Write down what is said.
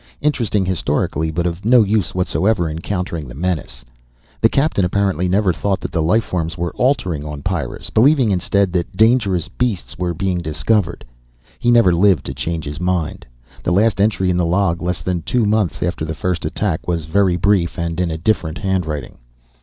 Interesting historically, but of no use whatsoever in countering the menace. The captain apparently never thought that life forms were altering on Pyrrus, believing instead that dangerous beasts were being discovered. He never lived to change his mind. The last entry in the log, less than two months after the first attack, was very brief. And in a different handwriting.